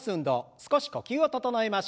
少し呼吸を整えましょう。